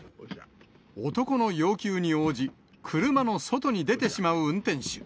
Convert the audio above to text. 男の要求に応じ、車の外に出てしまう運転手。